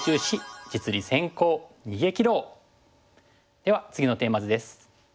では次のテーマ図です。